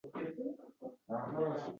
Hech kim mendan hujjat talab qilmadi